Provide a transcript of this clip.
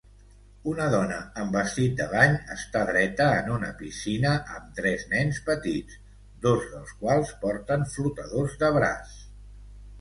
Una dona amb vestit de bany està dreta en un una piscina amb tres nens petits, dos dels quals porten flotadors de braç.